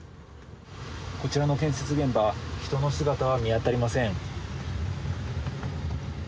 こちらの建設現場人の姿は見当たりません。